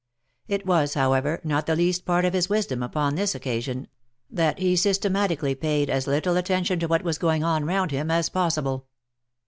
It was, however, not the least part of his wisdom upon this occa sion, that he systematically paid as little attention to what was going on round him as possible.